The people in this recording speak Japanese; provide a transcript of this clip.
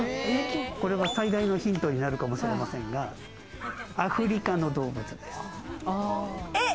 これは最大のヒントになるかもしれませんが、アフリカの動物です。